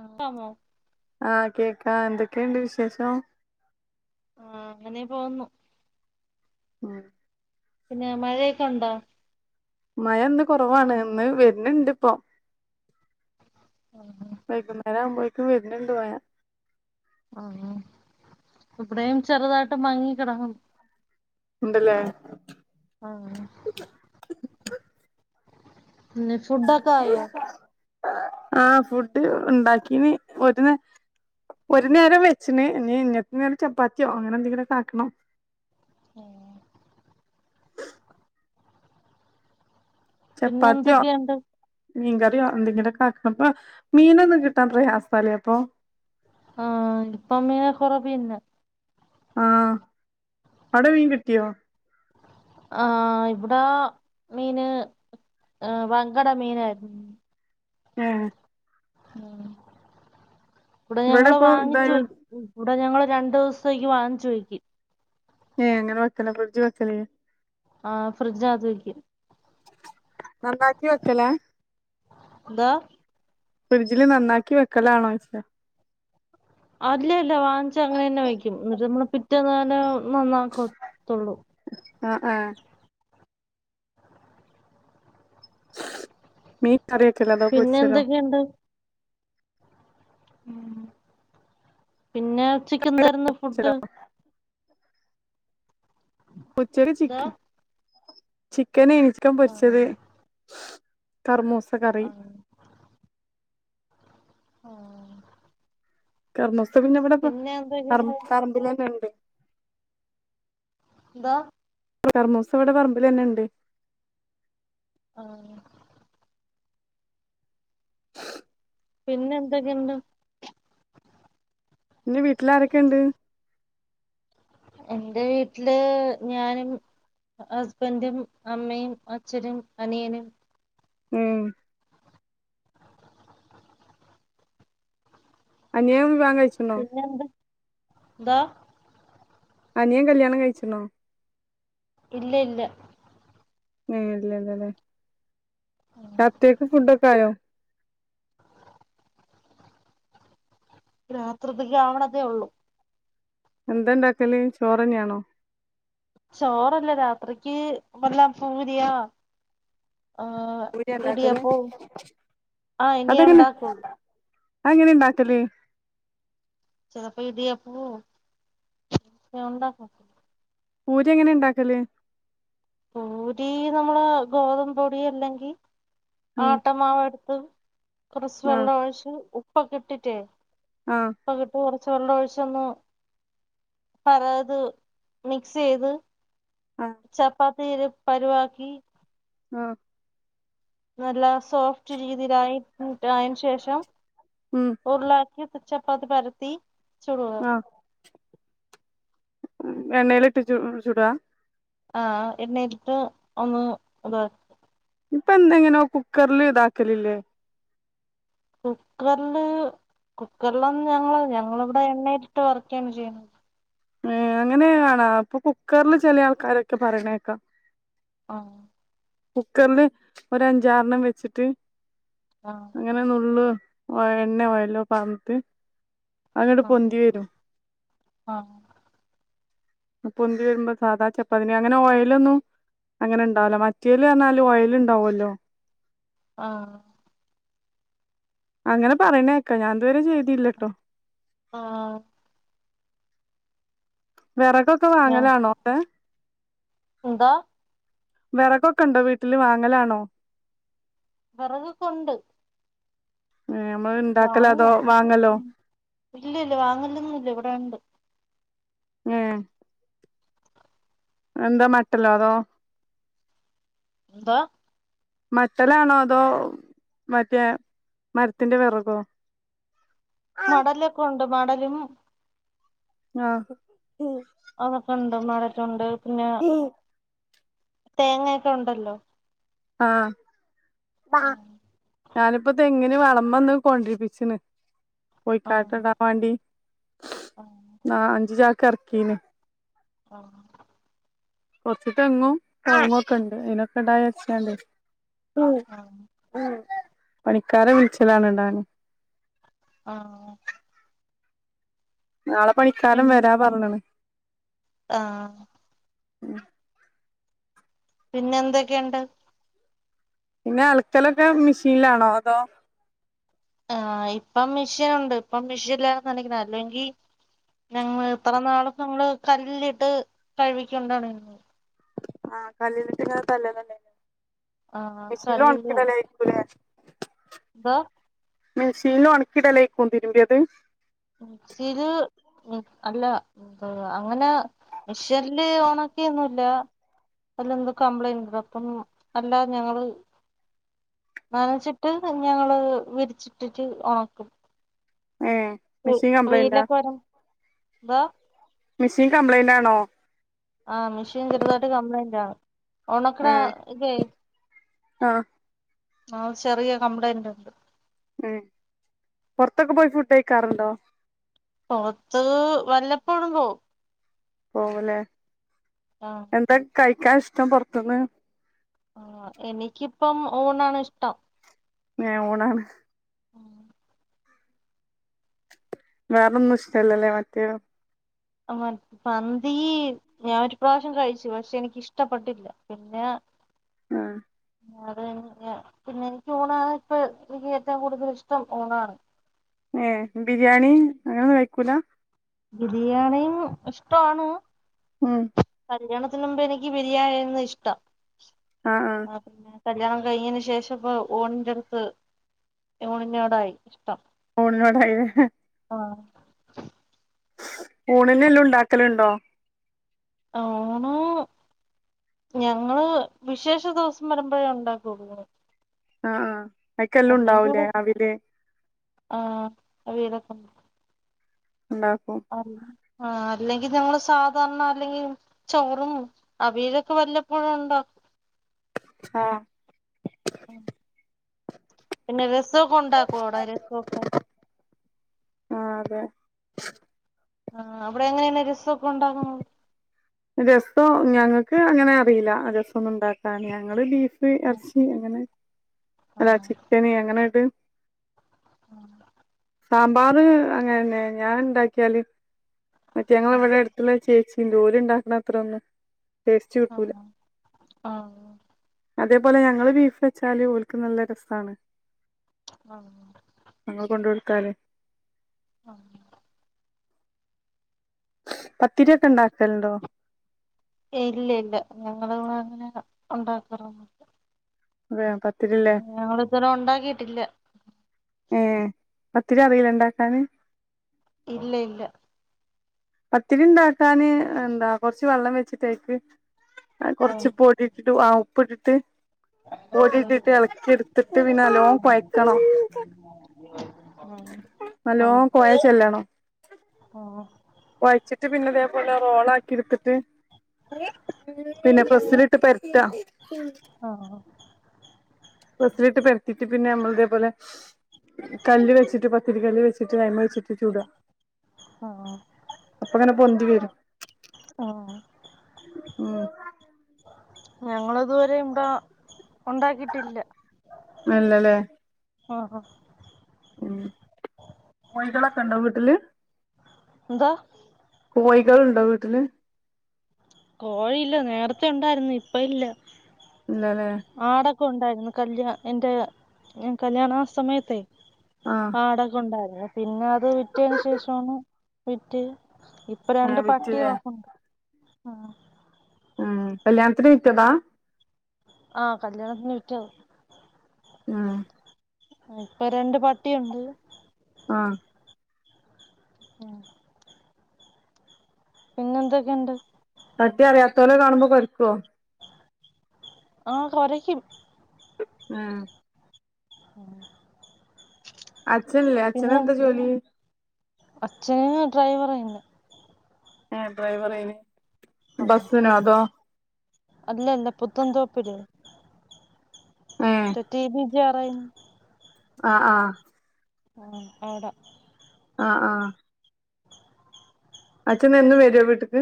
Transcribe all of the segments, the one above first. അപ്പ മോ - ആഹ് കേക്കാ എന്തൊക്കെയ്ണ്ട് വിശേഷം ആഹ് അങ്ങനെ പോവുന്നു ഉം പിന്നേ മഴയൊക്കെ ഉണ്ടോ മയന്ന് കൊറവാണ് ന്ന് വര്ണ് ണ്ട് പ്പൊ ആഹ് വൈകുന്നേരാവുമ്പൊഴേക്ക് വെര്ന്ണ്ട് മയ ആഹ് ഇബ്ടെയും ചെറുതായിട്ട് മങ്ങിക്കിടക്കുന്ന് ണ്ട് ലേ ആഹ് ന്നെ ഫുഡൊക്കായോ ആഹ് ഫുഡ് ണ്ടാക്കീന് ഒര്നേ ഒര് നേരം വെച്ച്ണ്. ഞ്ഞി ഞ്ഞത്തെ നേരം ചപ്പാത്തിയോ അങ്ങനെ എന്തെങ്കിലുംക്കെ ആക്കണം ഉം പിന്നെ ചപ്പാത്തിയോ എന്തൊക്കെയുണ്ട് മീൻ കറിയോ എന്തെങ്കിലൊക്കെ ആക്കണപ്പ മീനൊന്നും കിട്ടാൻ പ്രയാസാലേ പ്പൊ ആഹ് ഇപ്പം മീനൊക്കൊറവിന്നെ ആഹ് ഔടെ മീൻ കിട്ടിയോ ആഹ് ഇബ്ട മീന് വങ്കട മീനായിരുന്നുന്ന് ആഹ് ആഹ് ഇവിടെ ഞങ്ങള് ഇപ്പൊ വാങ്ങിച്ചു ഇതായോ വെ ഇവിടെ ഞങ്ങള് രണ്ടു ദിവസത്തേക്ക് വാങ്ങിച്ചുവെയ്ക്ക് ഏഹ് അങ്ങന വെക്കല ഫ്രിഡ്ജി വെക്കലില്ലെ ആഹ് ഫ്രിഡ്ജാത്ത്‌വെക്കും നന്നാക്കി വെക്കലാ ന്താ ഫ്രിഡ്ജില് നന്നാക്കി വെക്കലാണോ യ്ച്ച അല്ല ഇല്ല വാങ്ങിച്ചങ്ങനെ ന്നെ വയ്ക്കും. എന്നിട്ട് നമ്മള് പിറ്റേന്നന്നെ നന്നാക്കത്തൊള്ളൂ ആഹ് ആഹ് മീൻ കറി വെക്കലോ അതോ പൊര്ച്ചലൊ എന്ത് ഉം പിന്നെ ഉച്ചക്കെന്തായിരുന്നു പൊരിച്ചലോ ഫുഡ്‌ ഉച്ചക്ക് എന്താ ചിക്ക ചിക്കനേനി ചിക്കൻ ആ പൊര്ച്ചത് കർമൂസ കറി ആ ആഹ് കർമൂസ പിന്നെവടെപ്പൊ പിന്നെ പർ എന്തൊക്കെയുണ്ട് പർമ്പിലെന്നെണ്ട് ന്താ കർമൂസവടെ പർമ്പിലെന്നെണ്ട് ആഹ് പിന്നെന്തൊക്കെണ്ട് നിന്റെ വീട്ടിലാരൊക്കെണ്ട് എന്റെ വീട്ടില് ഞാനും ഹസ്ബന്റും അമ്മയും അച്ഛനും അനിയനും ഉം അനിയൻ വിവാഹം കഴിച്ച് പിന്നെ എന്താ എന്താ അനിയൻ കല്യാണം കഴിച്ച്ണോ ഇല്ല ഇല്ല ഉം ഇല്ലല്ലല്ലേ രാത്രികക്ക് ഫുഡൊക്കെ ആയോ രാത്രിത്തേക്ക് ആവ്ണതേ ഒള്ളൂ എന്തണ്ടാക്കല് ചോറെന്നേണോ ചോറല്ല രാത്രിക്ക് വല്ല പൂരിയാ ആഹ് പൂരിയാ ഇണ്ടാക്കല് ഇടിയപ്പവും ആഹ് ഇനിയുക്കൊള്ളൂ അത് എങ്ങനെ ഇണ്ടാക്കല് ചെലപ്പോ ഇടിയപ്പവോ അങ്ങനെ ഉണ്ടാക്കും പൂരി എങ്ങനെ ഇണ്ടാക്കല് പുരി നമ്മളെ ഗോതമ്പ് പൊടി അല്ലെങ്കി ഉം ആട്ടമാവെട്ത്ത് കുറച്ച് വെള്ള ആഹ് ഒഴിച്ച് ഉപ്പൊക്കെ ഇട്ടിറ്റേ ആഹ് പ്പക്കെ ഇട്ട് കൊറച്ച് വെള്ളൊഴിച്ചൊന്ന് അതായത് മിക്സ് ചെയ്ത് ആഹ് ചപ്പാത്തിരെ പരുവാക്കി ആഹ് നല്ല സോഫ്റ്റ് രീതിയിലായി കൂട്ട് ആയേന് ശേഷം ഉം ഉരുളാക്കി ചപ്പാത്തി പരത്തി ചുടുക എണ്ണേയ്ലിട്ട് ചു ചുടുവാ ആഹ് എണ്ണയിലിട്ട് ഒന്ന് ഇതാ ഞ് ഇപ്പ എന്തെ ഇങ്ങനോ കുക്കർല് ഇതാക്കലില്ലേ കുക്കർല് കുക്കറിലൊന്നും ഞങ്ങള് ഞങ്ങള്വ്ടെ എണ്ണയിലിട്ട് വറുക്കേണ് ചെയ്യ്ണത് ഏഹ് അങ്ങനെയാണാ ഇപ്പൊ കുക്കർല് ചെലേ ആൾക്കാരൊക്കെ പറയണേക്കാ ആഹ് കുക്കർല് ഒരഞ്ചാറെണ്ണം വെച്ച്ട്ട് ആഹ് ഇങ്ങനെ നുള്ള് ഓയ എണ്ണയോ ഒയലോ പാർന്നിട്ട് അത്ന്നട്ട് ആഹ് പൊന്തി വെരും ആഹ് ഇങ്ങനെ പൊന്തി വെരുമ്പോ സാധാ ചപ്പാത്തിന്റെ അങ്ങനെ ഓയലൊന്നും അങ്ങനെ ഇണ്ടാവൂല മറ്റേല് പർഞ്ഞാല് ഓയല് ഇണ്ടാവൊല്ലോ ആഹ് അങ്ങനെ പറയുന്നത് കേക്കാ ഞാൻ ഇതുവരെ ചെയ്തിയ്ല്ലട്ടോ ആഹ് വെറകൊക്കെ ഞാ വാങ്ങലാണോ അവ്ടെ എന്താ വെറകൊക്കെ ഇണ്ടോ വീട്ടില് വാങ്ങലാണോ വെറകൊക്കെ ഇണ്ട് ഏഹ് ഞമ്മള് ഇണ്ടാക്കലോ അതോ വാങ്ങും വാങ്ങലോ ഇല്ല ഇല്ല്യാ വാങ്ങലൊന്നും ഇല്ല ഇവിടെ ഉണ്ട് ഏഹ് എന്താ മട്ടലോ അതോ എന്ത് മട്ടലാണോ അതോ മറ്റേ മരത്തിന്റെ വിറകോ [unintelligible] മടലൊക്കെ ഉണ്ട് മടലും ആഹ് അതൊക്കെ ഉണ്ട് മടലുണ്ട് പിന്നെ തേങ്ങയൊക്കെ ഉണ്ടല്ലോ ആഹ് ആഹ് ഞാനിപ്പോ തെങ്ങിന് വളമ ഇന്ന് കൊണ്ടരിപ്പിച്ചിണ് കോഴിക്കാട്ടം ആഹ് ഇടാൻ വാണ്ടി ആ അഞ്ചു ചാക്ക് ഇറക്കീണ് ആഹ് കുറച്ചു തെങ്ങും കഴുങ്ങും ഒക്കെ ഉണ്ട് അതിനൊക്കെ ഇടാ വിചാരിച്ച് ആഹ് ങ്ങാണ്ട് പണിക്കാര വിളിച്ചലാണ് ഇടാൻ ആഹ് നാളെ പണിക്കാരൻ പിന്നെ വരാ പറഞ്ഞണ് ആഹ് പിന്നെ എന്തൊക്കെയുണ്ട് പിന്നെ അലക്കലൊക്കെ മെഷീനിലാണോ അതോ ആ ഇപ്പം മെഷീൻ ഉണ്ട് ഇപ്പം മെഷീൻഇല്ലാതെ നനക്കണം അല്ലെങ്കിൽ ഞങ്ങള് ഇത്ര നാളും ഞങ്ങള് കല്ലിലിട്ട് കഴുകിക്കൊണ്ടാണ് ആഹ് കല്ലിലിട്ട് ങ്ങനെ തല്ലലല്ലേ ആഹ് മെഷീനിൽ ഉണക്കിടലായിരിക്കുംലെ ഇരിക്കൂല എന്തോ മെഷീനിൽ ഉണക്കിടലേക്കും തിരുമ്പിയത് മെഷീൻ ഉം അല്ല അങ്ങനെ മിഷ്യനില് ഒണക്കയൊന്നുംല്ല അതിൽ എന്തോ കംപ്ലൈന്റ് അപ്പം അല്ലാ ഞങ്ങള് നനച്ചിട്ട് പിന്നെ ഞങ്ങള് വിരിച്ചിട്ടിട്ട് ഉണക്കും ഏഹ് മിഷീൻ കംപ്ലൈന്റ വെയിലൊക്കെ വരും എന്താ മിഷീൻ കംപ്ലൈയിന്റ് ആണോ ആഹ് മിഷീൻ ചെറുതായിട്ട് കംപ്ലൈന്റ ആണ് ഒണക്ക്ണ ഏ ഇതേ ആ ആഹ് ചെറിയ കംപ്ലയിന്റ് ഉണ്ട് ഉം പുറത്തൊക്കെ പോയി ഫുഡ് കഴിക്കാറുണ്ടോ പുറത്ത് വല്ലപ്പോഴും പോവും പോവുല്ലേ ആ എന്താ കഴിക്കാൻ ഇഷ്ടം പുറത്തുന്ന് ആഹ് എനിക്കിപ്പം ഊണാണ് ഇഷ്ടം ഏഹ് ഊണാണ് വേറൊന്നും ഇഷ്ടല്ലല്ലേ മറ്റേ മന്തീ ഞാൻ ഒരു പ്രാവശ്യം കഴിച്ചു പക്ഷെ എനിക്ക് ഇഷ്ടപ്പെട്ടില്ല പിന്നെ ആഹ് അത് കഴിഞ്ഞ് പിന്നെ എനിക്ക് ഊണാണ് ഇപ്പ എനിക്ക് ഏറ്റവും കൂടുതൽ ഇഷ്ടം ഊണാണ് ഏഹ് ബിരിയാണി അങ്ങനെയൊന്നും കഴിക്കൂല ബിരിയാണിയും ഇഷ്ട്ടോണ് ഉം കല്യാണത്തിന് മുമ്പ് എനിക്ക് ബിരിയാണിര്ന്ന് ഇഷ്ടം ആഹ് ആഹ് ആഹ് പിന്നെ കല്യാണം കഴിഞ്ഞെന് ശേഷം ഇപ്പൊ ഊണിന്റടുത്ത് ഊണിനോടായി ഇഷ്ടം. ഊണിനോടായി ലേ. ആഹ്. ഊണിനെല്ലും ഇണ്ടാക്കല്ണ്ടോ? ആഹ് ഊണ്, ഞങ്ങള് വിശേഷ ദിവസം വരുമ്പഴേ ഉണ്ടാക്കൊള്ളു. ആഹ് ആഹ് അയ്ക്കെല്ലും ഉണ്ടാവുലേ അവില് ആഹ്. അവിയലൊക്കെണ്ടാവും. ഇണ്ടാക്കും. ആഹ് അല്ലെങ്കി ഞങ്ങള് സാധാരണ അല്ലെങ്കി ചോറും അവിയലൊക്കെ വല്ലപ്പോഴു ഉണ്ടാ ആഹ്. [unintelligible] പിന്നെ രസവൊക്കെ ഉണ്ടാക്കോ അവിടെ രസവൊക്കെ. ആഹ് അതെ. ആഹ് അവിടെ എങ്ങനേണ് രസ ഒക്കെ ഉണ്ടാക്ണത്? രസം ഞങ്ങക്ക് അങ്ങനെ അറീല്ല രസം ഒന്നും ഇണ്ടാക്കാന്. ഞങ്ങള് ബീ ബീഫ് എറച്ചി അങ്ങനെ. അല്ല ചിക്കന് അങ്ങനെട് ആഹ്. സാമ്പാർ അങ്ങനന്നെ ഞാൻ ഇണ്ടാക്കിയാല് മറ്റേ ഞങ്ങളെ വടെ എട് ത്തുള്ളൊര് ചേച്ചിണ്ട് ഓല് ഇണ്ടാക്ണ അത്രെന്നും ടേസ്റ്റ് കിട്ടൂല. അതേപോലെ ഞങ്ങള് ബീഫ് വെച്ചാല് ഓൽക്ക് നല്ല രസാണ്. ആഹ്. ഞങ്ങൾ കൊണ്ട് കൊടുത്താല്. ആഹ്. പത്തിരി ഒക്കെ ഇണ്ടാക്കല്ണ്ടോ? ഏയ് ഇല്ല ഇല്ല. ഞങ്ങളിവിടെ അങ്ങനെ ഒണ്ടാക്കാറൊന്നും അതെയോ പത്തിരി ല്ലേ? ഇതുവരേം ഒണ്ടാക്കീട്ടില്ല. ഏഹ്. പത്തിരി അറീല്ലേ ഇണ്ടാക്കാന്? ഇല്ല ഇല്ല. പത്തിരി ഇണ്ടാക്കാന് എന്താ കൊറച്ച് വെള്ളം വെച്ചിട്ട് അയ്ക്ക് അഹ് ആഹ് കൊറച്ച് പൊടി ഇട്ടിട്ട് ആഹ് ഉപ്പ് ഇട്ടിട്ട് പൊടി ഇട്ടിട്ട് എളക്കി എടുത്തിട്ട് പിന്ന നല്ലോം കൊയ്ക്കണം. ആഹ് നല്ലോം കൊയ ചെല്ലണം. ആഹ്. കൊയച്ചിട്ട് പിന്നെ ഇതേപോലെ റോളാക്കി ഇട്ത്തിട്ട് പിന്നെ പ്രസ്സിലിട്ട് പരത്താ. ആഹ്. പ്രസ്സിലിട്ട് പരത്തീട്ട് പിന്നെ നമ്മള് ഇതേപോലെ കല്ല് വെച്ചിട്ട് പത്തിരി കല്ല് വെച്ചിട്ട് അയിമ്മെ വെച്ചിട്ട് ചുടാ. ആഹ്. അപ്പങ്ങെനെ പൊന്തി വരും. ആഹ്. ഉം ഞങ്ങള്തുവരെ ഇണ്ടാ ഉണ്ടാക്കിട്ടില്ല അല്ലലേ ആഹ് ആഹ് ഉം കോഴികളൊക്കണ്ടോ വീട്ട്ല് എന്തോ കോഴികള്ണ്ടോ വീട്ട്ല് കോഴില്ല നേരത്തെ ഇണ്ടാരുന്നു ഇപ്പ ഇല്ല ഇല്ല ലേ ആടൊക്ക ഉണ്ടാരുന്നു കല്യാ എന്റെ കല്യണ സമയത്തേ ആഹ് ആടൊക്ക ഉണ്ടാരുന്നു പിന്നെ അത് വിറ്റേന്ന് ശേഷാണ് വിറ്റ് ഇപ്പ രണ്ട് ഏഹ് വിറ്റില്ലേ പട്ടികളൊക്കണ്ട് ആഹ് ഉം കല്യണ്ത്തിന് വിറ്റതാ ആഹ് കല്യാണത്തിന് വിറ്റത് ആഹ് ഇപ്പ രണ്ട് പട്ടിയുണ്ട് ആഹ് ആഹ് പിന്നെ എന്തക്കെണ്ട് പട്ടി അറിയാത്തോലെ കാണുമ്പോ കടിക്കോ ആഹ് കൊരക്കും ആഹ് ആഹ് അച്ഛന്ല്ലേ അച്ഛനെന്താ ജോലി അച്ഛന് ഡ്രൈവറേന്ന് ഏഹ് ഡ്രൈവറേന്ന് ആഹ് ആഹ് അല്ല ല്ല പുത്തംന്തോപ്പില്ലേ ഏ മറ്റേ ടി വി [unintelligible] ആഹ് ആഹ് ആഹ് അവടെ ആഹ് ആഹ് അച്ഛൻ എന്നും വെരോ വീട്ട്ക്ക്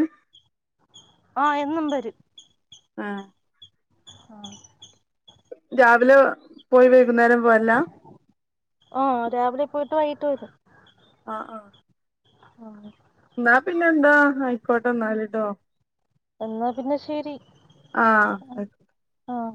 ആഹ് എന്നും വരും ആഹ് ആഹ് രാവിലെ പോയി വൈകുന്നേരം പോര് ലാ ആഹ് രാവിലെ പോയിട്ട് വൈകിട്ട് വരും ആഹ് ആഹ് ആഹ് ന്നാ പിന്നെ എന്താ അയ്ക്കോട്ടെ ന്നാല് ട്ടോ എന്നാ പിന്നെ ശെരി ആഹ് ആഹ്